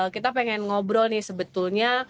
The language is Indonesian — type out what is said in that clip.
kita pengen ngobrol nih sebetulnya